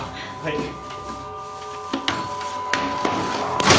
はい。